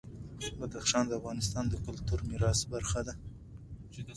بدخشان د افغانستان د کلتوري میراث برخه ده.